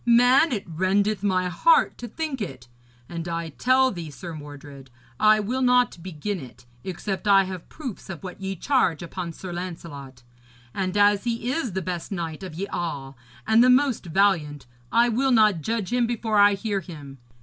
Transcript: Man, it rendeth my heart to think it. And I tell thee, Sir Mordred, I will not begin it, except I have proofs of what ye charge upon Sir Lancelot. And as he is the best knight of ye all, and the most valiant, I will not judge him before I hear him.